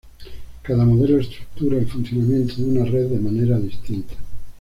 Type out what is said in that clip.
Cada modelo estructura el funcionamiento de una red de manera distinta.